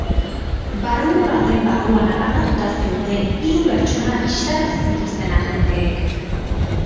Barrunbe baten barruan harrapatuta zeuden hiru pertsona bistarazi zituzten agenteek.